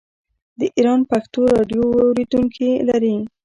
د ایران پښتو راډیو اوریدونکي لري.